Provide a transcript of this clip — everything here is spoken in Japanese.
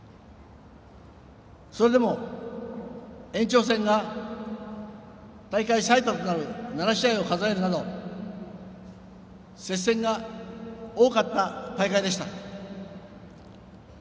それでも延長戦が大会最多となる７試合を数えるなど接戦が多かった大会でした。